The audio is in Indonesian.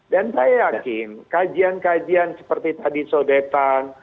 dan saya yakin kajian kajian seperti tadi saudetan